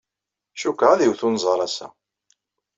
Cikkeɣ ad iwet unẓar ass-a.